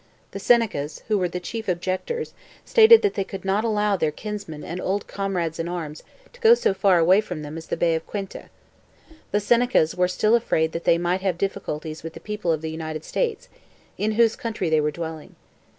The Senecas, who were the chief objectors, stated that they could not allow their kinsmen and old comrades in arms to go so far away from them as the Bay of Quinte. The Senecas were still afraid that they might have difficulties with the people of the United States, in whose country they were dwelling.